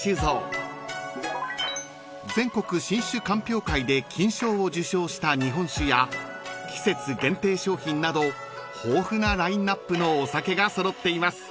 ［全国新酒鑑評会で金賞を受賞した日本酒や季節限定商品など豊富なラインナップのお酒が揃っています］